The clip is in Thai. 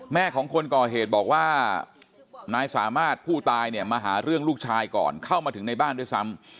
แม่ของคนก่อเหตุบอกว่านายสามารถผู้ตายเนี่ยมาหาเรื่องลูกชายก่อนเข้ามาถึงในบ้านด้วยซ้ำ